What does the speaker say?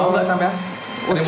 mau gak sampai